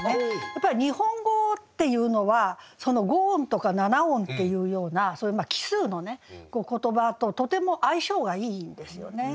やっぱり日本語っていうのはその５音とか７音っていうようなそういう奇数の言葉ととても相性がいいんですよね。